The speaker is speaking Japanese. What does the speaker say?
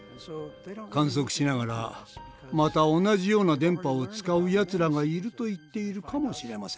観測しながらまた同じような電波を使うやつらがいると言っているかもしれません。